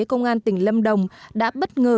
công an tỉnh lâm đồng đã bất ngờ